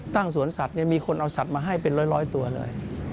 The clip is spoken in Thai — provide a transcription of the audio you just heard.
สวนสัตว์มีคนเอาสัตว์มาให้เป็นร้อยตัวเลย